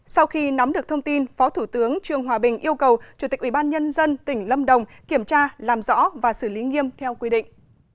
sau khi nắm được thông tin phó thủ tướng trương hòa bình yêu cầu chủ tịch ubnd tỉnh lâm đồng kiểm tra làm rõ và xử lý nghiêm theo quy định